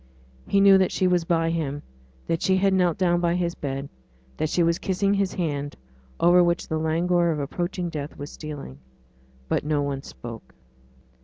He knew that she was by him; that she had knelt down by his bed; that she was kissing his hand, over which the languor of approaching death was stealing. But no one spoke.